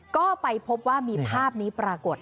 ก็ไปพบว่ามีภาพนี้ปรากฏ